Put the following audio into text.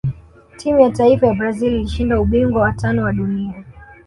timu ya taifa ya brazil ilishinda ubingwa wa tano wa dunia